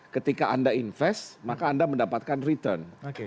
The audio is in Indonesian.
ketika anda invest maka anda mendapatkan return